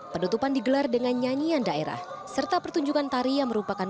penutupan digelar dengan nyanyian daerah serta pertunjukan tari yang merupakan